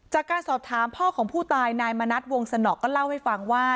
จากการสอบถามพ่อของผู้ตายนายมณัฐวงสนอก็เล่าให้ฟังว่า